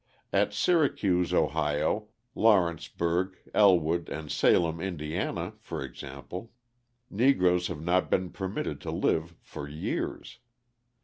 At Syracuse, O., Lawrenceburg, Ellwood, and Salem, Ind., for example, Negroes have not been permitted to live for years.